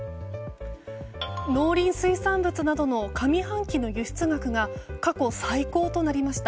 農林水産物などの上半期の輸出額が過去最高となりました。